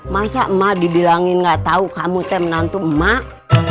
masa emak dibilangin gak tau kamu tem nantu emak